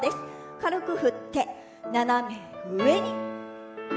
軽く振って斜め上に。